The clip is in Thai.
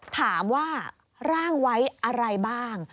ถามว่าร่างไว้อะไรบ้าง